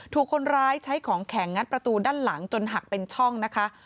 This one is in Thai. ถูกคนร้ายใช้ของแข็งงัดประตูด้านหลังจนหักเป็นช่องนะคะ